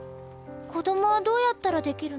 子どもはどうやったらできるの？